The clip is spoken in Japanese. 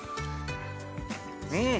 うん！